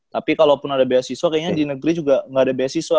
tapi kalau pun ada beasiswa kayaknya di negeri juga enggak ada beasiswa